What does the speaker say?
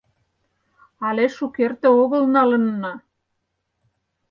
Але шукерте огыл налынна...